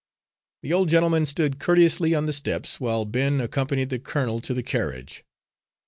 The old gentleman stood courteously on the steps while Ben accompanied the colonel to the carriage.